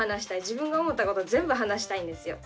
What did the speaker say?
自分が思ったこと全部話したいんですよ。